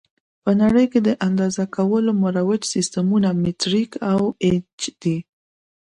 په نړۍ کې د اندازه کولو مروج سیسټمونه مټریک او ایچ دي.